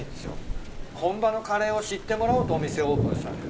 本場のカレーを知ってもらおうとお店をオープンしたんですか？